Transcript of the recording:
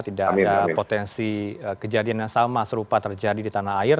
tidak ada potensi kejadian yang sama serupa terjadi di tanah air